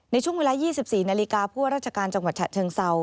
ในช่วงเวลา๒๔นาฬิกาผู้ว่าราชการจังหวัดฉะเชิงเซา